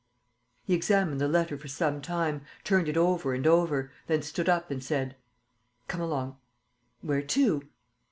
He examined the letter for some time, turned it over and over, then stood up and said: "Come along." "Where to?"